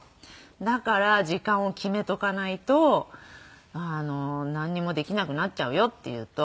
だから「時間を決めとかないとなんにもできなくなっちゃうよ」って言うと。